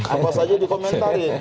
apa saja dikomentari